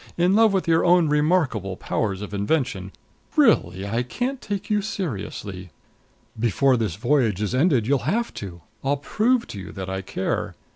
In love with your own remarkable powers of invention! Really, I can't take you seriously " "Before this voyage is ended you'll have to. I'll prove to you that I care.